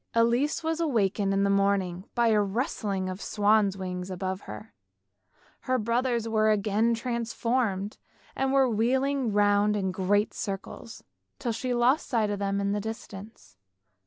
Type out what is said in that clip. Elise was awakened in the morning by the rustling of the swans' wings above her; her brothers were again transformed and were wheeling round in great circles, till she lost sight of them in the distance.